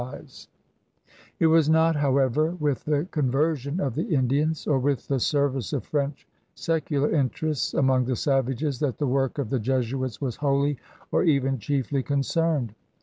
la CRUSADERS OP NEW FRANCE It was not» however, with the conversion of the Indians or with the service of French secular interests among the savages that the work of the Jesuits was wholly, or even chiefly, concerned.